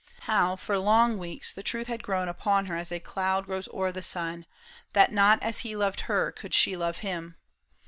How for long weeks The truth had grown upon her as a cloud Grows o'er the sun, that not as he loved her Could she love him.